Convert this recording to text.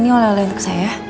ini oleh oleh untuk saya